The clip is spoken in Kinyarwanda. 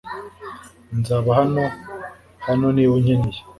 Nzaba hano hano niba unkeneye .